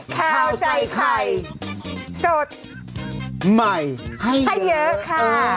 คราวใจไข่สดใหม่ให้เยอะให้เยอะค่ะ